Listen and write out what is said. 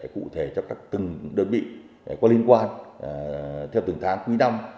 cụ thể cho các từng đơn vị có liên quan theo từng tháng quý năm